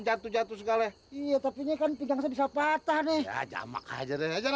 jatuh jatuh segala iya tapi ikan pinggang bisa patah deh aja makanya jangan lagi iya iya iya iya